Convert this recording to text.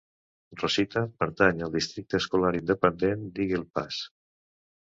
Rosita pertany al districte escolar independent d'Eagle Pass.